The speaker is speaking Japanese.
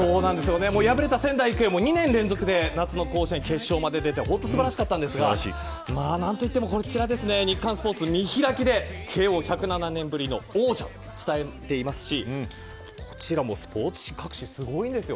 敗れた仙台育英も、２年連続で夏の甲子園決勝まで出て素晴らしかったんですが何と言ってもこちら日刊スポーツ、見開きで慶応１０７年ぶりの王者伝えていますしこちらもスポーツ紙各紙すごいんですよ。